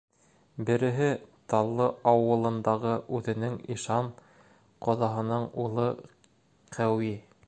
— Береһе Таллы ауылындағы үҙенең ишан ҡоҙаһының улы Ҡәүи.